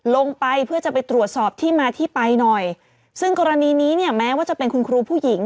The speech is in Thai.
ลงไปเพื่อจะไปตรวจสอบที่มาที่ไปหน่อยซึ่งกรณีนี้เนี่ยแม้ว่าจะเป็นคุณครูผู้หญิง